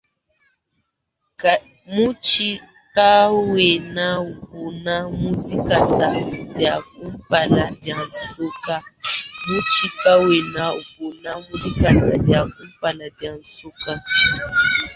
Mutshi kawena upona ku dikasa dia kumpala dia nsoka.